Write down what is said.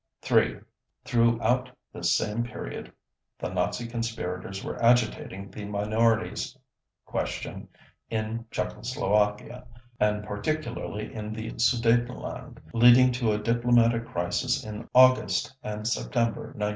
Throughout this same period, the Nazi conspirators were agitating the minorities question in Czechoslovakia, and particularly in the Sudetenland, leading to a diplomatic crisis in August and September 1938.